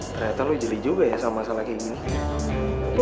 ternyata lu jeli juga ya sama masalah kayak gini